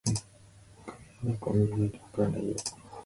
うん、紙の中を見ないとわからないよ